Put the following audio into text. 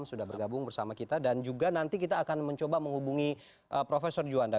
sudah bergabung bersama kita dan juga nanti kita akan mencoba menghubungi profesor juanda